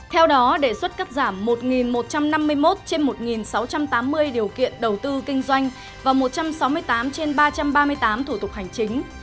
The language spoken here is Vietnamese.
theo đó đề xuất cắt giảm một một trăm năm mươi một trên một sáu trăm tám mươi điều kiện đầu tư kinh doanh và một trăm sáu mươi tám trên ba trăm ba mươi tám thủ tục hành chính